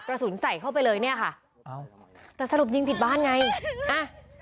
กระสุนใส่เข้าไปเลยเนี่ยค่ะเอาแต่สรุปยิงผิดบ้านไงอ่ะ